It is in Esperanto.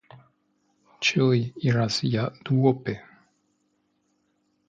Ĉiuj iras ja duope.